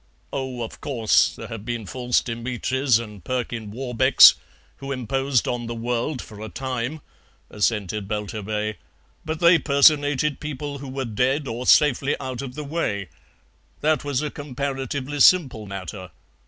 "Oh, of course, there have been False Dimitris and Perkin Warbecks, who imposed on the world for a time," assented Belturbet, "but they personated people who were dead or safely out of the way. That was a comparatively simple matter.